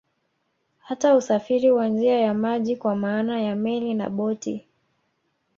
Hata usafiri wa njia ya maji kwa maana ya Meli na boti